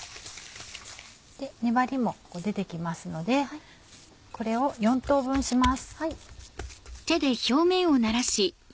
粘りも出て来ますのでこれを４等分します。